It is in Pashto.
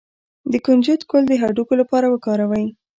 د کنجد ګل د هډوکو لپاره وکاروئ